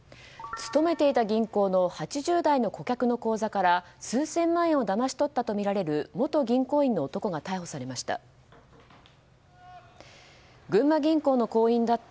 勤めていた銀行の８０代の客の口座から数千万円をだまし取ったとみられる元銀行員の男が逮捕されました。